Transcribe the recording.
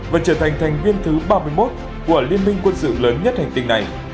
và trở thành thành viên thứ ba mươi một của liên minh quân sự lớn nhất hành tinh này